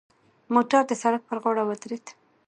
موټر د سړک پر غاړه ودرید.